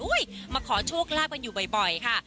มาขอโชคลาภกันอยู่บ่อยค่ะ